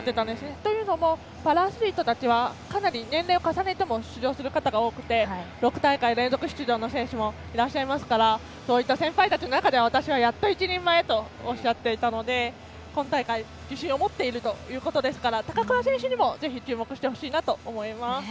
というのもパラアスリートたちはかなり年齢を重ねても出場する方が多くて６大会連続出場の方もいらっしゃいますからそういった先輩たちの中で私はやっと一人前とおっしゃっていたので今大会自信を持っているということですから高桑選手にもぜひ注目してほしいと思います。